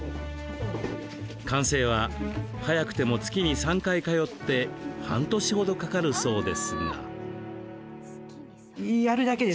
完成は、早くても月に３回通って半年程かかるそうですが。